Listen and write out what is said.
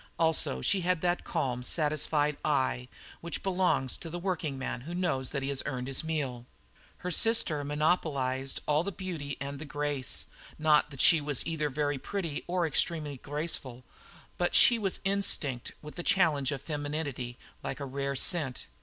Also she had that calm, self satisfied eye which belongs to the workingman who knows that he has earned his meal. Her sister monopolized all the beauty and the grace, not that she was either very pretty or extremely graceful, but she was instinct with the challenge of femininity like a rare scent.